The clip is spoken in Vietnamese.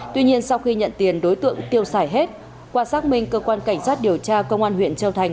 tuy nhiên sau khi nhận tiền đối tượng tiêu xài hết qua xác minh cơ quan cảnh sát điều tra công an huyện châu thành